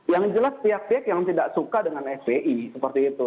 yang jelas pihak pihak yang tidak suka dengan fpi seperti itu